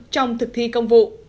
trong thực thi công vụ